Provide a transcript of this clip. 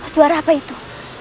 suara apa itu